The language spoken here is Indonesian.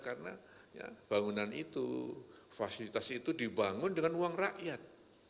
karena bangunan itu fasilitas itu dibangun dengan uang rakyat